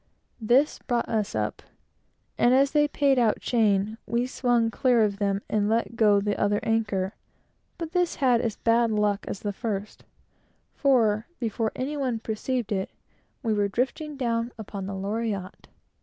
This brought us up, and as they paid out chain, we swung clear of them, and let go the other anchor; but this had as bad luck as the first, for, before any one perceived it, we were drifting on to the Loriotte.